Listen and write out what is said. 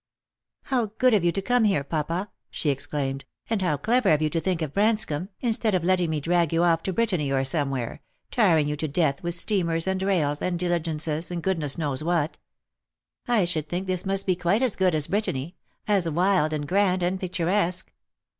" How good of you to come here, papa," she exclaimed; "and how clever of you to think of Branscomb, instead of letting me drag you off to Brittany or somewhere, tiring you to death with steamers, and rails, and diligences, and goodness knows what ! I should think this must be quite as good as Brittany— as wild, and grand, and picturesque.